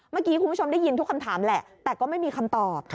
เมื่อกี้คุณผู้ชมได้ยินทุกคำถามแหละแต่ก็ไม่มีคำตอบ